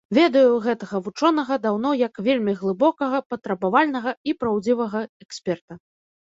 Ведаю гэтага вучонага даўно як вельмі глыбокага, патрабавальнага і праўдзівага эксперта.